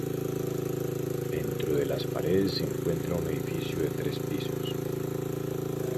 Dentro de las paredes se encuentra un edificio de tres pisos.